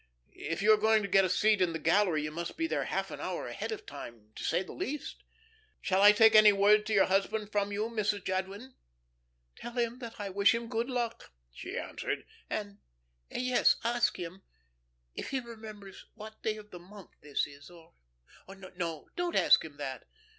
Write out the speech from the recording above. If you are going to get a seat in the gallery, you must be there half an hour ahead of time, to say the least. Shall I take any word to your husband from you, Mrs. Jadwin?" "Tell him that I wish him good luck," she answered, "and yes, ask him, if he remembers what day of the month this is or no, don't ask him that.